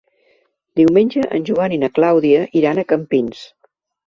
Diumenge en Joan i na Clàudia iran a Campins.